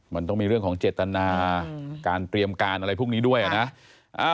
มันต้องมีเรื่องของเจตนาการเตรียมการอะไรพวกนี้ด้วยนะ